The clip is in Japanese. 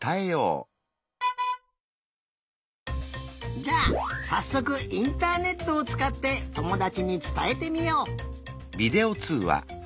じゃあさっそくインターネットをつかってともだちにつたえてみよう。